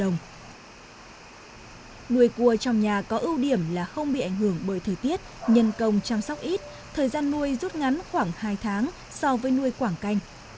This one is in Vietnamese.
nuôi cua trong nhà có ưu điểm là không bị ảnh hưởng bởi thời tiết nhân công chăm sóc ít thời gian nuôi rút ngắn khoảng hai tháng so với nuôi quảng canh